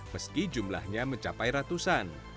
meski jumlahnya mencapai ratusan